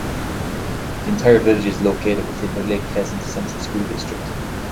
The entire village is located within the Lake Pleasant Central School District.